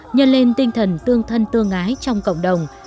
nhân lên tinh thần tương thân tương ái trong cộng đồng